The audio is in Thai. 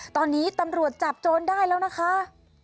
ตอนนี้ตำรวจจับโจรได้แล้วนะคะ